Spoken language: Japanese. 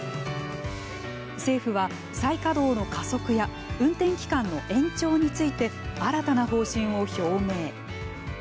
政府は、再稼働の加速や運転期間の延長について新たな方針を表明。